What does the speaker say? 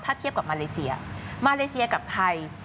ถ้าเทียบกับมาเลเซียมาเลเซียกับไทย